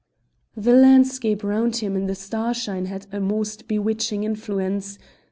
The landscape round about him in the starshine had a most bewitching influence.